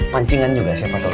pancingan juga siapa tahu